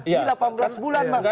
jangan di delapan belas bulan bang